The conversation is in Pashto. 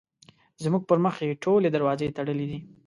زموږ پر مخ یې ټولې دروازې تړلې دي.